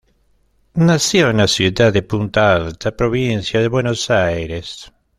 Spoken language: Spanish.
Nació en la ciudad de Punta Alta, provincia de Buenos Aires.